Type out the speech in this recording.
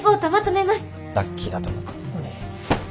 ラッキーだと思ったのに。